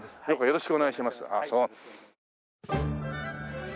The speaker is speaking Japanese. よろしくお願いします。